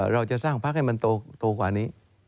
เราจะสร้างพักให้มันโตกว่านี้